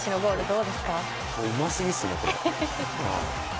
うますぎですね。